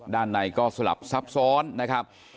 ด้านในก็สลับซับซ้อนนะครับ